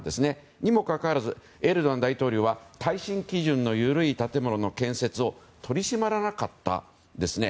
にもかかわらずエルドアン大統領は耐震基準の緩い建物の建設を取り締まらなかったんですね。